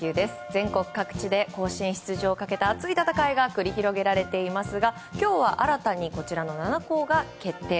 全国各地で甲子園出場をかけた熱い戦いが繰り広げられていますが今日は新たにこちらの７校が決定。